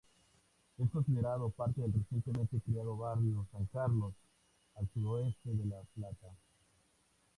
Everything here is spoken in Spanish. Es considerado parte del recientemente creado barrio San Carlos, al sudoeste de La Plata.